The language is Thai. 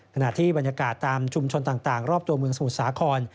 ขณะที่บรรยากาศตามชุมชนต่างรอบตัวเมืองสมุทรสาคร